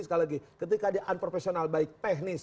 sekali lagi ketika dia unprofessional baik teknis